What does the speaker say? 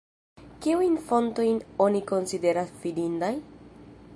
Kiujn fontojn oni konsideras fidindaj?